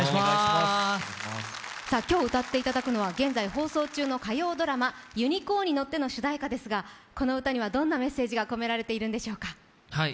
今日、歌っていただくのは現在放送中の火曜ドラマ、「ユニコーンに乗って」の主題歌ですが、この歌にはどんなメッセージが込められているんでしょうか？